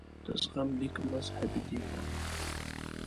د زغم لیک مذهبي دفاع وکړه.